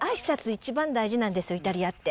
一番大事なんですよ、イタリアって。